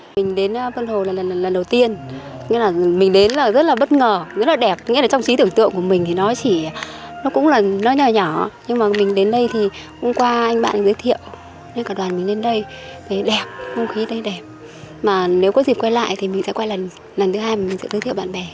mình đến vân hồ là lần đầu tiên mình đến là rất là bất ngờ rất là đẹp trong trí tưởng tượng của mình thì nó chỉ nó cũng là nhỏ nhỏ nhưng mà mình đến đây thì hôm qua anh bạn giới thiệu cả đoàn mình lên đây thấy đẹp không khí đây đẹp mà nếu có dịp quay lại thì mình sẽ quay lần thứ hai mà mình giới thiệu bạn bè